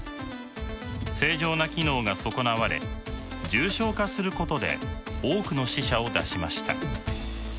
正常な機能が損なわれ重症化することで多くの死者を出しました。